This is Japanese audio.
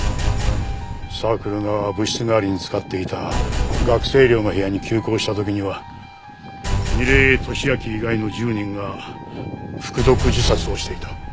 サークルが部室代わりに使っていた学生寮の部屋に急行した時には楡井敏秋以外の１０人が服毒自殺をしていた。